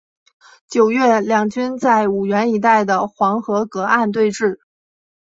九月两军在五原一带的黄河隔岸对峙。